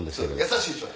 優しいでしょ。